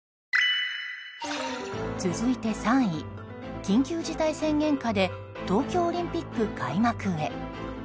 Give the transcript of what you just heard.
続いて３位、緊急事態宣言下で東京オリンピック開幕へ。